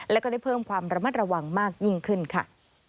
แล้วก็ได้เพิ่มความระมัดระวังมากยิ่งขึ้นค่ะ